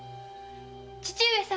・父上様！